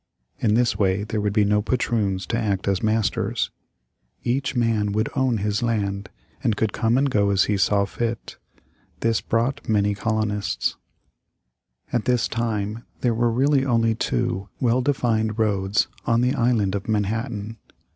In this way there would be no patroons to act as masters. Each man would own his land, and could come and go as he saw fit. This brought many colonists. [Illustration: The Bowling Green in 1840.] At this time there were really only two well defined roads on the Island of Manhattan.